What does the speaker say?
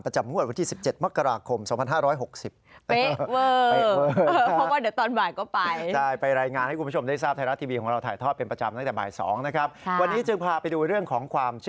จำงวดวันที่๑๗มกราคม๒๕๖๐